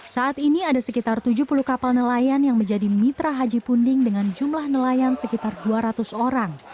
saat ini ada sekitar tujuh puluh kapal nelayan yang menjadi mitra haji punding dengan jumlah nelayan sekitar dua ratus orang